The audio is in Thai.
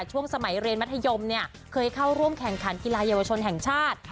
ช่วงสมัยเรียนมัธยมเนี่ยเคยเข้าร่วมแข่งขันกีฬาเยาวชนแห่งชาติ